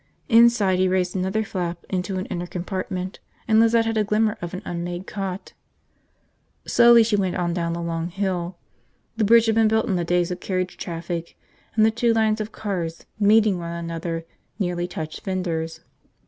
Inside, he raised another flap into an inner compartment, and Lizette had a glimpse of an unmade cot. Slowly she went on down the long hill. The bridge had been built in the days of carriage traffic and the two lines of cars meeting one another nearly touched fenders.